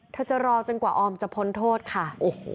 จะรอจนกว่าออมจะพ้นโทษค่ะ